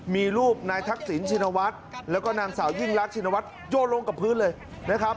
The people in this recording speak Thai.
มีรูปนายทักษิณชินวัฒน์แล้วก็นางสาวยิ่งรักชินวัฒน์โยนลงกับพื้นเลยนะครับ